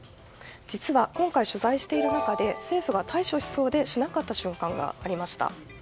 実は今回取材している中で政府が対処しそうでしなかった瞬間がありました。